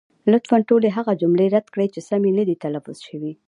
لطفا ټولې هغه جملې رد کړئ، چې سمې نه دي تلفظ شوې.